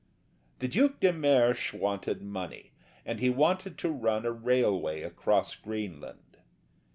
The Duc de Mersch wanted money, and he wanted to run a railway across Greenland.